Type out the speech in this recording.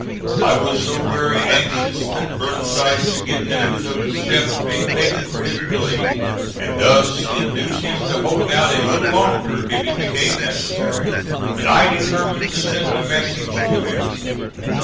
I was so very anxious that Burnside should get news of the steps being taken for his relief, and thus induce him to hold out a little longer if it became necessary, that I determined to send a message to him.